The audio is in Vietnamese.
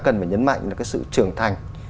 cần phải nhấn mạnh là sự trưởng thành